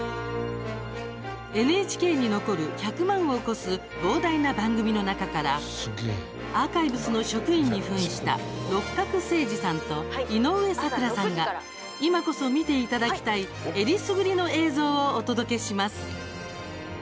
ＮＨＫに残る１００万を超す膨大な番組の中からアーカイブスの職員にふんした六角精児さんと井上咲楽さんが今こそ見ていただきたいえりすぐりの映像をお届けします。